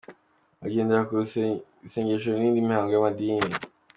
Bagendera kure isengesho n’indi mihango y’amadini.